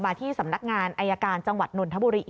ที่สำนักงานอายการจังหวัดนนทบุรี